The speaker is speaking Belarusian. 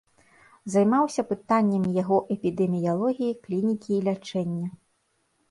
Займаўся пытаннямі яго эпідэміялогіі, клінікі і лячэння.